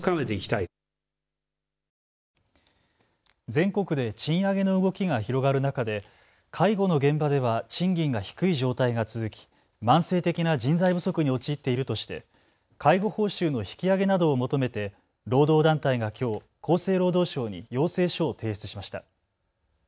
全国で賃上げの動きが広がる中で介護の現場では賃金が低い状態が続き、慢性的な人材不足に陥っているとして介護報酬の引き上げなどを求めて労働団体がきょう厚生労働省に要請書を提出しました。